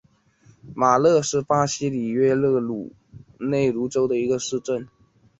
马热是巴西里约热内卢州的一个市镇。